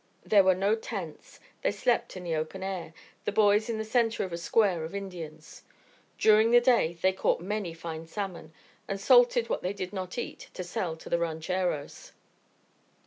There were no tents; they slept in the open air, the boys in the centre of a square of Indians. During the day they caught many fine salmon, and salted what they did not eat, to sell to the rancheros.